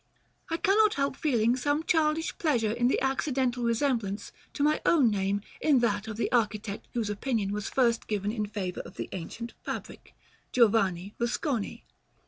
I cannot help feeling some childish pleasure in the accidental resemblance to my own name in that of the architect whose opinion was first given in favor of the ancient fabric, Giovanni Rusconi.